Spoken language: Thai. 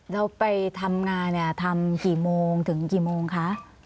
แล้วไปทำงานทำกี่โมงถึงกี่โมงคะ